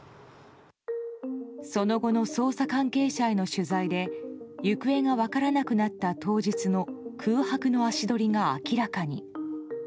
その後の捜査関係者への取材で行方が分からなくなった当日の空白の足取りが明らかに。